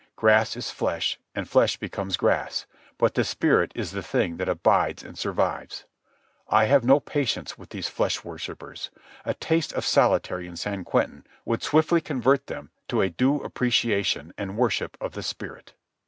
Grass is flesh, and flesh becomes grass; but the spirit is the thing that abides and survives. I have no patience with these flesh worshippers. A taste of solitary in San Quentin would swiftly convert them to a due appreciation and worship of the spirit.